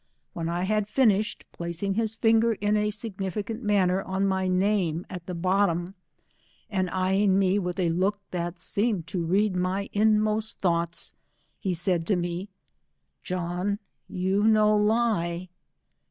When I had finished, placing his finger in a significant manner on my nnme at the bottom, and eyeing me with a look that seemed to read ray inmost thoughts, he said to me, '' John you no lie